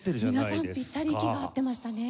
皆さんぴったり息が合っていましたね。